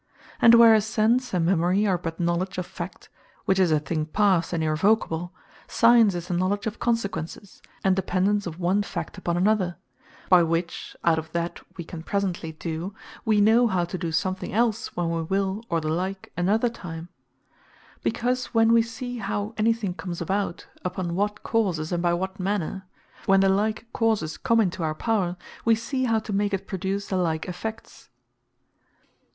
And whereas Sense and Memory are but knowledge of Fact, which is a thing past, and irrevocable; Science is the knowledge of Consequences, and dependance of one fact upon another: by which, out of that we can presently do, we know how to do something els when we will, or the like, another time; Because when we see how any thing comes about, upon what causes, and by what manner; when the like causes come into our power, wee see how to make it produce the like effects.